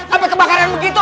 sampai kebakaran begitu